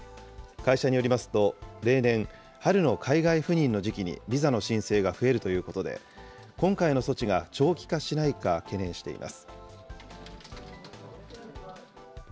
会社によりますと、例年、春の海外赴任の時期にビザの申請が増えるということで、今回の措置が長期化しないか、懸念しています。